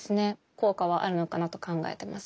効果はあるのかなと考えてます。